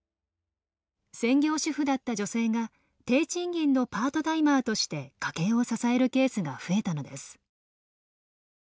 専業主婦だった女性が低賃金のパートタイマーとして家計を支えるケースが増えたのです。